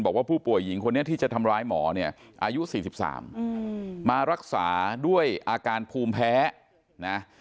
บอกว่าผู้ป่วยหญิงคนนี้ที่จะทำร้ายหมอเนี่ยอายุ๔๓มารักษาด้วยอาการภูมิแพ้นะ